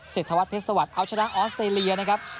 เศรษฐวัสดิ์เพศสวัสดิ์เอาชนะออสเตรเลียนะครับ